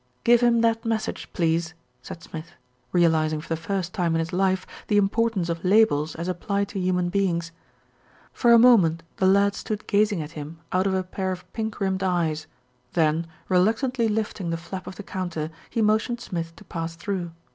"Give him that message, please," said Smith, realis ing for the first time in his life the importance of labels as applied to human beings. For a moment the lad stood gazing at him out of a 151 152 THE RETURN OF ALFRED pair of pink rimmed eyes, then, reluctantly lifting the flap of the counter, he motioned Smith to pass through.